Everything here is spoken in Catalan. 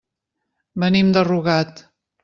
Venim de Rugat.